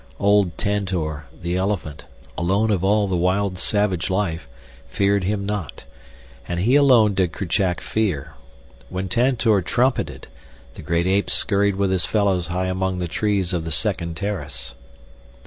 Old Tantor, the elephant, alone of all the wild savage life, feared him not—and he alone did Kerchak fear. When Tantor trumpeted, the great ape scurried with his fellows high among the trees of the second terrace.